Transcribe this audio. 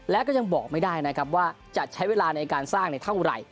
และก็ยังบอกไม่ได้นะครับว่าจะใช้เวลาในการสร้างเท่าไหร่